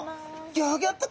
ギョギョッと！